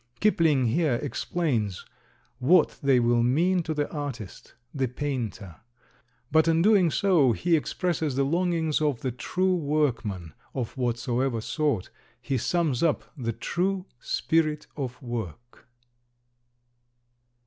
Kipling here explains what they will mean to the artist, the painter; but in doing so he expresses the longings of the true workman of whatsoever sort he sums up the true spirit of work.